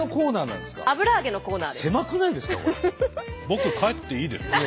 僕帰っていいですか？